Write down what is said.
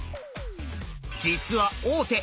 実は王手！